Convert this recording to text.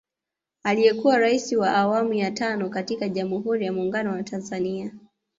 Aliyekuwa Rais wa awamu ya tano katika Jamuhuri ya Munguno wa Tanzania